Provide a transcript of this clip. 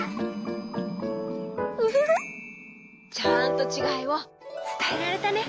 ウフフちゃんとちがいをつたえられたね。